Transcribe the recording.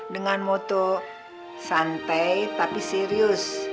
dengan moto santai tapi serius